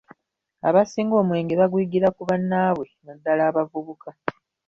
Abasinga omwenge baguyigira ku bannaabwe naddala abavubuka.